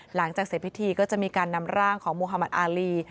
หลังจากเสร็จพิธีก็จะมีการนำร่างของมุธมัติอารี